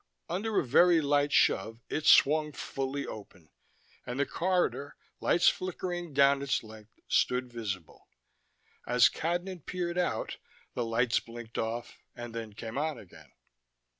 Under a very light shove, it swung fully open, and the corridor, lights flickering down its length, stood visible. As Cadnan peered out, the lights blinked off, and then came on again.